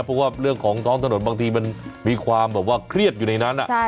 เพราะว่าเรื่องของท้องถนนบางทีมันมีความแบบว่าเครียดอยู่ในนั้น